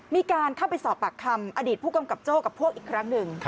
มีการเข้าไปสอบปากคำอดีตผู้กำกับโจ้กับพวกอีกครั้งหนึ่ง